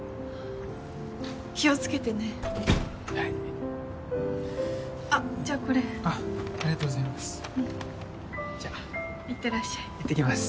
気をつけてねはいあっじゃあこれあっありがとうございますじゃあ行ってきます